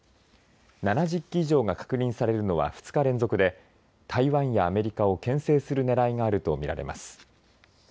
７０機以上が確認されるのは２日連続で台湾やアメリカをけん制するねらいがあると見られます。